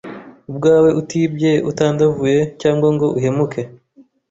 ubwawe utibye utandavuye cyangwa ngo uhemuke